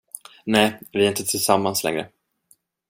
Nej, vi är inte tillsammans längre.